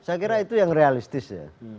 saya kira itu yang realistis ya